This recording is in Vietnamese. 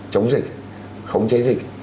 chống dịch khống chế dịch